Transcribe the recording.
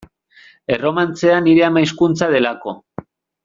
Erromantzea nire ama hizkuntza delako.